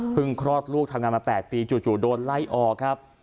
คลอดลูกทำงานมา๘ปีจู่โดนไล่ออกครับ